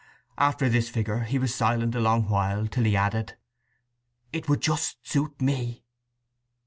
After this figure he was silent a long while, till he added: "It would just suit me."